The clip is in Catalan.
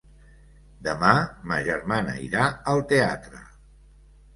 Demà ma germana irà al teatre.